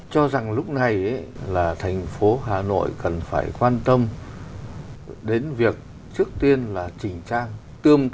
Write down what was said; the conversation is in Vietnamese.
cho rằng lúc này là thành phố hà nội cần phải quan tâm đến việc trước tiên là chỉnh trang tươm tất hóa những khu phố